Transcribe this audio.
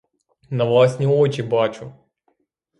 На власні очі бачу!